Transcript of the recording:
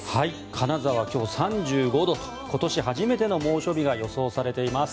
金沢、今日３５度と今年初めての猛暑日が予想されています。